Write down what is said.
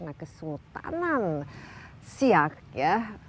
nah kesultanan siak ya